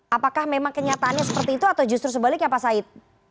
apakah memang kenyataannya seperti itu atau justru sebaliknya pak said